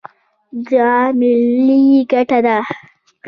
دا ملي ګټه ده.